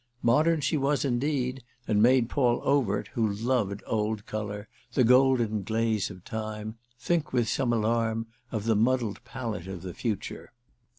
Modern she was indeed, and made Paul Overt, who loved old colour, the golden glaze of time, think with some alarm of the muddled palette of the future.